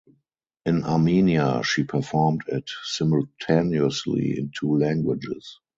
In Armenia she performed it simultaneously in two languages.